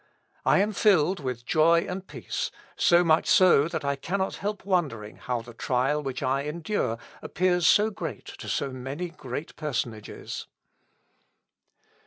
I am filled with joy and peace; so much so, that I cannot help wondering how the trial which I endure appears so great to so many great personages."